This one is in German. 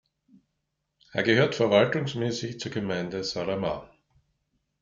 Er gehört verwaltungsmäßig zur Gemeinde Saaremaa.